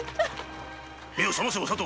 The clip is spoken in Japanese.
目を覚ませお里！